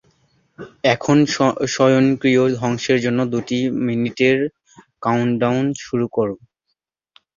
এখন, স্বয়ংক্রিয় ধ্বংসের জন্য দুই মিনিটের কাউন্টডাউন শুরু করো।